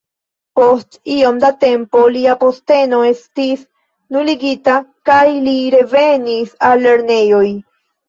Post iom da tempo lia posteno estis nuligita kaj li revenis al lernejoj.